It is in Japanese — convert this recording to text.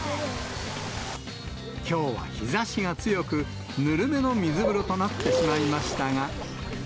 きょうは日ざしが強く、ぬるめの水風呂となってしまいましたが。